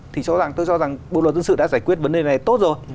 thì tôi cho rằng bộ luật dân sự đã giải quyết vấn đề này tốt rồi